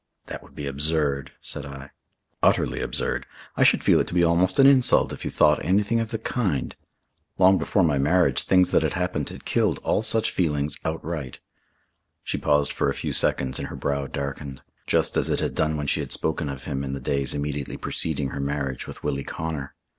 "That would be absurd," said I. "Utterly absurd. I should feel it to be almost an insult if you thought anything of the kind. Long before my marriage things that had happened had killed all such feelings outright." She paused for a few seconds and her brow darkened, just as it had done when she had spoken of him in the days immediately preceding her marriage with Willie Connor.